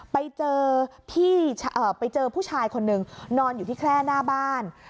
ไปเจอผู้ชายคนนึงนอนอยู่ที่แคล่หน้าบ้าน